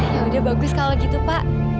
ya udah bagus kalau gitu pak